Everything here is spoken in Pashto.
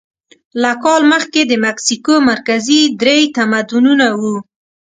له کال مخکې د مکسیکو مرکزي درې تمدنونه وو.